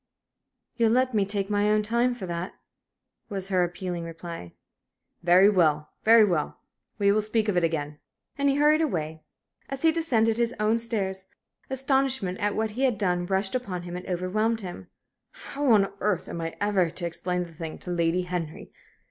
"You'll let me take my own time for that?" was her appealing reply. "Very well very well. We'll speak of it again." And he hurried away. As he descended his own stairs astonishment at what he had done rushed upon him and overwhelmed him. "How on earth am I ever to explain the thing to Lady Henry?"